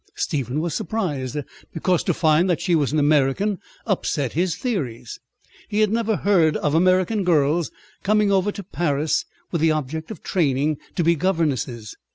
Stephen was surprised, because to find that she was an American upset his theories. He had never heard of American girls coming over to Paris with the object of training to be governesses.